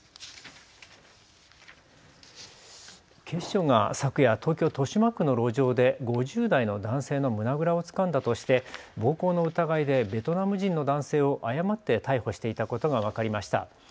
警視庁が昨夜、東京豊島区の路上で５０代の男性の胸倉をつかんだとして暴行の疑いでベトナム人の男性を誤って逮捕していたことが分かりました。